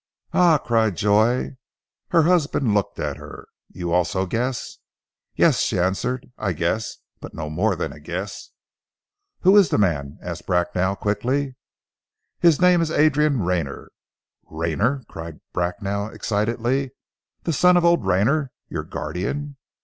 "Ah!" cried Joy. Her husband looked at her. "You also guess?" "Yes!" she answered. "I guess but no more than guess!" "Who is the man?" asked Bracknell quickly. "His name is Adrian Rayner!" "Rayner!" cried Bracknell excitedly. "The son of old Rayner, your guardian?"